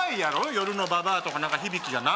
夜のばばあとか何か響きがな